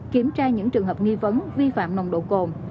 kiểm tra những trường hợp nghi vấn vi phạm nồng độ cồn